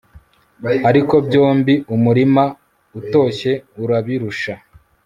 ariko byombi umurima utoshye urabirusha